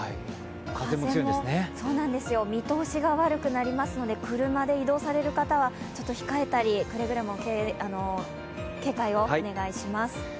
風も強いです、見通しが悪くなりますので車で移動される方はちょっと控えたり、くれぐれも警戒をお願いします。